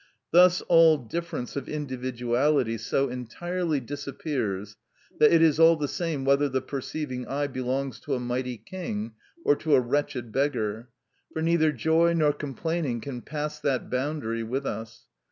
Thus all difference of individuality so entirely disappears, that it is all the same whether the perceiving eye belongs to a mighty king or to a wretched beggar; for neither joy nor complaining can pass that boundary with us.